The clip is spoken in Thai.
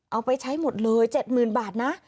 เอาไปใช้หมดเลย๗๐๐๐บาทนะ